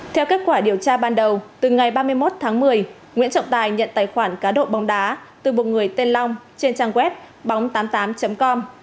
theo kết quả điều tra ban đầu từ ngày ba mươi một tháng một mươi nguyễn trọng tài nhận tài khoản cá độ bóng đá từ một người tên long trên trang web bóng tám mươi tám com